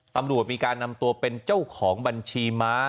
ตำรวจมีการนำตัวเป็นเจ้าของบัญชีม้า